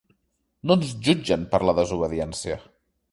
No ens jutgen per la desobediència.